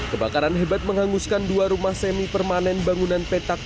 kebakaran hebat menghanguskan dua rumah semi permanen bangunan petak